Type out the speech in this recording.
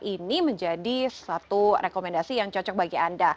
ini menjadi satu rekomendasi yang cocok bagi anda